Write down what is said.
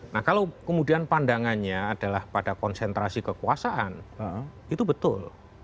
nah kalau kemudian pandangannya adalah pada konsentrasi kekuasaan itu betul